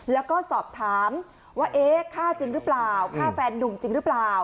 แล้วก็สอบถามว่าเอ๊ะฆ่าจริงหรือเปล่าฆ่าแฟนนุ่มจริงหรือเปล่า